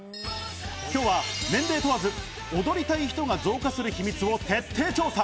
今日は年齢問わず、踊りたい人が増加する秘密を徹底調査。